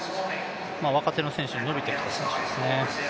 若手の選手、伸びてきている選手ですね。